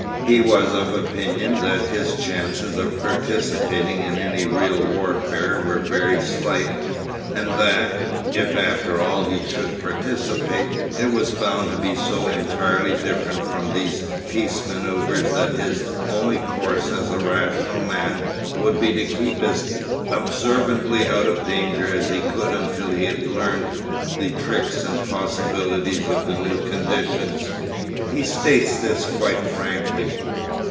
He was of opinion that his chances of participating in any real warfare were very slight, and that, if after all he should participate, it was bound to be so entirely different from these peace manœuvres that his only course as a rational man would be to keep as observantly out of danger as he could until he had learnt the tricks and possibilities of the new conditions. He states this quite frankly.